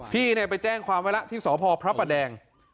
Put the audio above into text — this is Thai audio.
พี่ไปแจ้งความไว้แล้วที่สพพระประแดง